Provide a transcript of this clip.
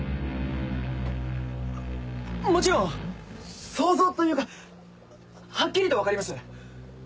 もちろん想像というかはっきりと分かります。